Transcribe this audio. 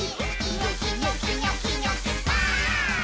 「ニョキニョキニョキニョキバーン！」